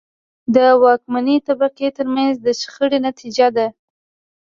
د واکمنې طبقې ترمنځ د شخړې نتیجه ده.